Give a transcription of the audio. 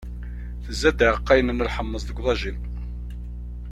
Tezza-d iɛeqqayen n lḥemmeẓ deg uḍajin.